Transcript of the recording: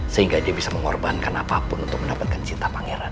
sehingga dia bisa mengorbankan apapun untuk mendapatkan cinta pangeran